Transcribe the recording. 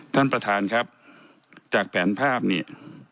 ท่านประธานครับจากแผนภาพเนี่ย